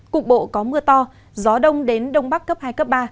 cục bộ có mưa to gió đông đến đông bắc cấp hai cấp ba